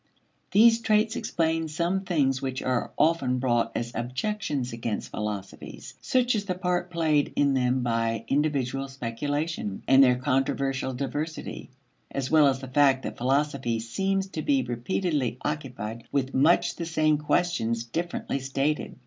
These traits explain some things which are often brought as objections against philosophies, such as the part played in them by individual speculation, and their controversial diversity, as well as the fact that philosophy seems to be repeatedly occupied with much the same questions differently stated.